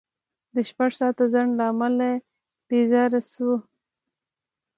د شپږ ساعته ځنډ له امله بېزاره شوو.